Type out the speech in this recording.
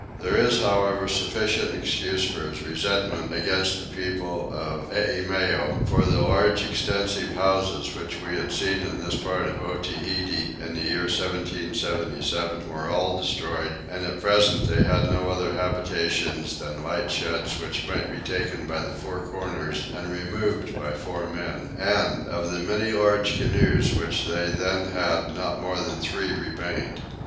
There is however sufficient excuse for his resentment against the people of Eimeo; for the large extensive houses which we had seen in this part of Otaheite in the year 1777 were all destroyed, and at present they had no other habitations than light sheds which might be taken by the four corners and removed by four men: and of the many large canoes which they then had not more than three remained.